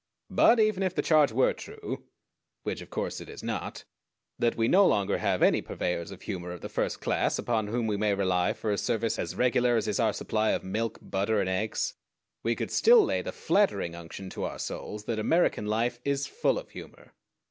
But even if the charge were true which of course it is not that we no longer have any purveyors of humor of the first class upon whom we may rely for a service as regular as is our supply of milk, butter, and eggs, we could still lay the flattering unction to our souls that American life is full of humor.